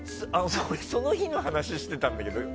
その日の話してたんだけど。